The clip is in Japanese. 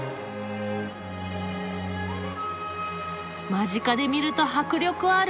間近で見ると迫力ある！